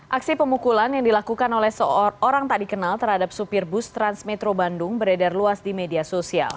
aksi pemukulan yang dilakukan oleh seorang tak dikenal terhadap supir bus transmetro bandung beredar luas di media sosial